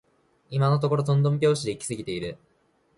今のところとんとん拍子で行き過ぎている